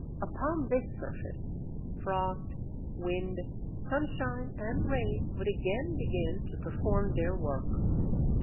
Upon this surface, frost, wind, sunshine, and rain would again begin to perform their work.